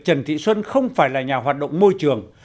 trần thị xuân không phải là nhà hoạt động môi trường